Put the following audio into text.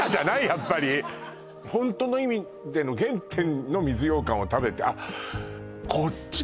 やっぱりホントの意味での原点の水ようかんを食べてあっ